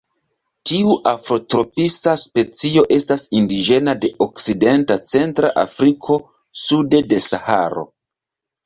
Tiu afrotropisa specio estas indiĝena de Okcidenta Centra Afriko sude de Saharo.